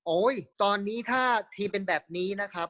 ตอนนี้ถ้าทีมเป็นแบบนี้นะครับ